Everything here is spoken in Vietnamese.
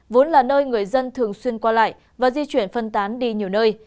vốn là nơi người dân thường xuyên qua lại và di chuyển phân tán đi nhiều nơi